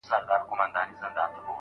نن ځه له دې وطنه د زاغانو له شامته